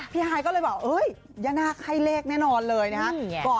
พี่หาย็าก็ว่ายานะฆ่าให้แนบได้แน่นอนเลยนะคะ